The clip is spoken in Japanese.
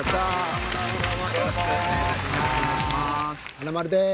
華丸です。